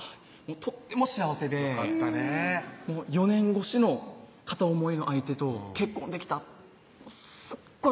とっても幸せで４年越しの片想いの相手と結婚できたすっごい